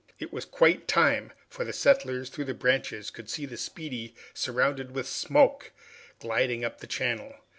It was quite time, for the settlers, through the branches, could see the "Speedy," surrounded with smoke, gliding up the channel.